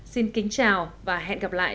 xin kính chào và hẹn gặp lại